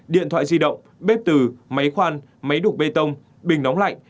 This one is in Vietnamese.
điện thoại di động bếp từ máy khoan máy đục bê tông bình nóng lạnh